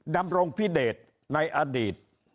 ดำรงพิเดชในอดีต